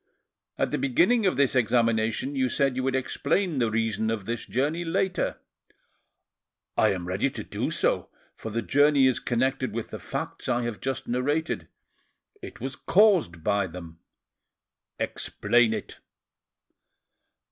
"At the beginning of this examination you said you would explain the reason of this journey later." "I am ready to do so, for the journey is connected with the facts I have just narrated; it was caused by them." "Explain it."